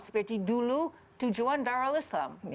seperti dulu tujuan darat islam